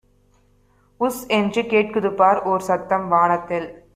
உஸ்என்று கேட்குதுபார் ஓர்சத்தம் வானத்தில்!